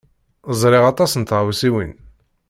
Ẓriɣ aṭas n tɣawsiwin.